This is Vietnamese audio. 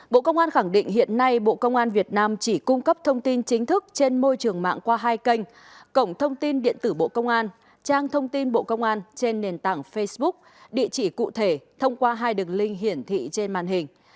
bộ công an khẳng định hiện nay bộ công an việt nam chỉ cung cấp thông tin chính thức trên môi trường mạng qua hai kênh cổng thông tin điện tử bộ công an trang thông tin bộ công an trên nền tảng facebook địa chỉ cụ thể thông qua hai đường link hiển thị trên màn hình